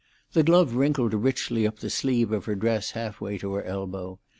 The glove wrinkled richly up the sleeve of her dress half way to her elbow.